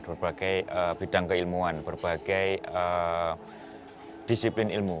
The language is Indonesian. berbagai bidang keilmuan berbagai disiplin ilmu